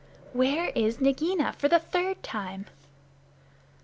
"Where is Nagaina, for the third time?"